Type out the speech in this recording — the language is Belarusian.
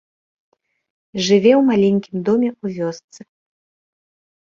Жыве ў маленькім доме ў вёсцы.